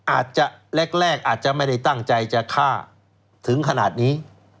อาจจะแรกอาจจะไม่ได้ตั้งใจจะฆ่าถึงขนาดนี้